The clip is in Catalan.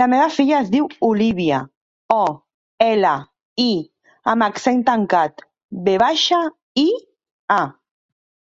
La meva filla es diu Olívia: o, ela, i amb accent tancat, ve baixa, i, a.